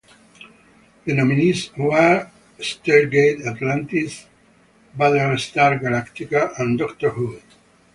The nominees were "Stargate Atlantis", "Battlestar Galactica" and "Doctor Who".